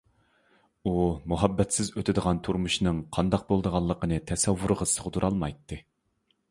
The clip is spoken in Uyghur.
ئۇ مۇھەببەتسىز ئۆتىدىغان تۇرمۇشنىڭ قانداق بولىدىغانلىقىنى تەسەۋۋۇرىغا سىغدۇرالمايتتى.